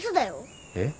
えっ？